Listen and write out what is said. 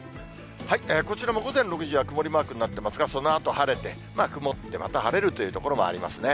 こちらも午前６時は曇りマークになってますが、そのあと晴れて、曇って、また晴れるという所もありますね。